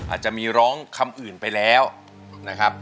อาจจะมีร้องคำอื่นไปแล้วนะครับ